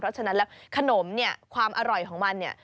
เพราะฉะนั้นแล้วขนมเนี่ยความอร่อยของมันเนี่ย